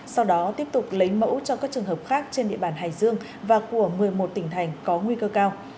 sau đó tiếp tục lấy mẫu cho các trường hợp khác trên địa bàn hải dương và của một mươi một tỉnh thành có nguy cơ cao